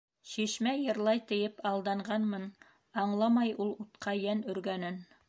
Шишмә йырлай, тиеп алданғанмын, — Аңламай ул утҡа йән өргәнен.